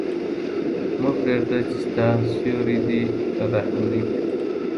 مه پرېږده چې ستا سیوری دې رهبري کړي.